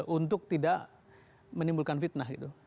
untuk tidak menimbulkan fitnah gitu